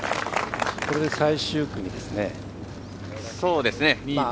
これで最終組ですね。